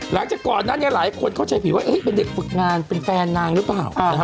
หลังจากนั้นก่อนนั้นหลายคนเข้าใจผิดว่าเป็นเด็กฝึกงานเป็นแฟนนางหรือเปล่า